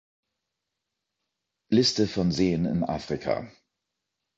Liste von Seen in Afrika